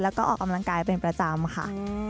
แล้วก็ออกกำลังกายเป็นประจำค่ะ